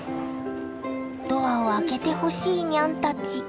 ドアを開けてほしいニャンたち。